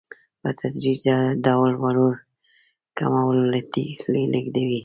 په تدریجي ډول وړو کولمو ته لېږدوي.